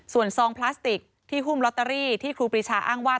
ส่วนซองพลาสติกที่หุ้มลอตเตอรี่ที่ครูปรีชาอ้างว่า